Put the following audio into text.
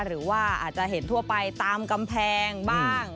หรือว่าอาจจะเห็นทั่วไปตามกำแพงบ้าง